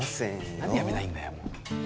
何でやめないんだよ